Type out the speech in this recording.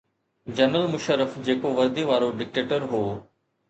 General Musharraf جيڪو وردي وارو ڊڪٽيٽر هو.